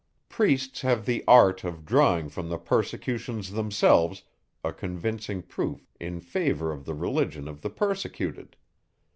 Priests have the art of drawing from the persecutions themselves, a convincing proof in favour of the religion of the persecuted.